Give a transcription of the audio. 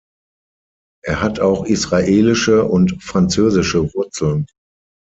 Er hat auch israelische und französische Wurzeln.